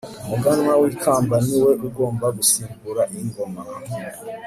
umuganwa wikamba niwe ugomba gusimbura ingoma